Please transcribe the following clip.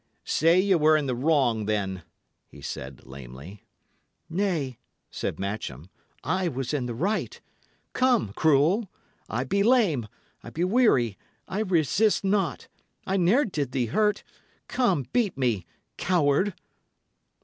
"Say ye were in the wrong, then," he said, lamely. "Nay," said Matcham, "I was in the right. Come, cruel! I be lame; I be weary; I resist not; I ne'er did thee hurt; come, beat me coward!"